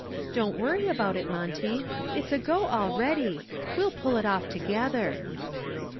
Don't worry about it, Monty. It's a go already. We'll pull it off together."